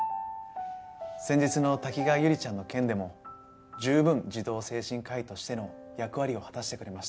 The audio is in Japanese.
先日の滝川悠里ちゃんの件でも十分児童精神科医としての役割を果たしてくれました。